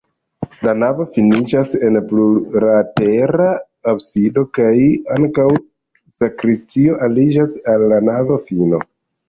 La navo finiĝas en plurlatera absido kaj ankaŭ sakristio aliĝas al la navofino.